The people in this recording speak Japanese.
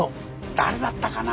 誰だったかな？